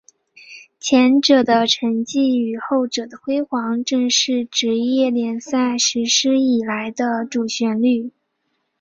前者的沉寂与后者的辉煌正是职业联赛实施以来的主旋律。